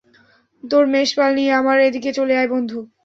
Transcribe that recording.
তোর মেষ পাল নিয়ে আমার এদিকে চলে আয়, বন্ধু।